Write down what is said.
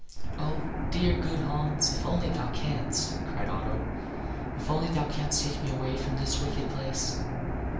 "Oh, dear, good Hans! if only thou canst!" cried Otto; "if only thou canst take me away from this wicked place.